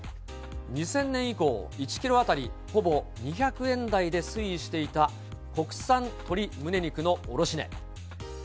２０００年以降、１キロ当たりほぼ２００円台で推移していた国産鶏むね肉の卸値。